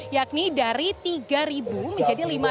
yakni dari tiga ribu menjadi lima ribu